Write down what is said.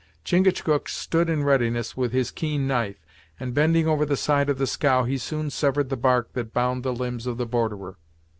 Chingachgook stood in readiness with his keen knife, and bending over the side of the scow he soon severed the bark that bound the limbs of the borderer.